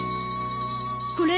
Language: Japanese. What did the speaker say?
これ。